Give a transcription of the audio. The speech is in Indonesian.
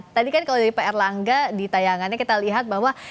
tadi kan kalau dari pak erlangga di tayangannya kita lihat bahwa